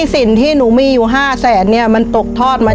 ชีวิตหนูเกิดมาเนี่ยอยู่กับดิน